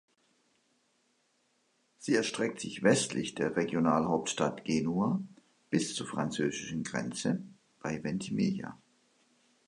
Sie erstreckt sich westlich der Regionalhauptstadt Genua bis zur französischen Grenze, bei Ventimiglia.